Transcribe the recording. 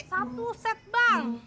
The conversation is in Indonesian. tuh set bang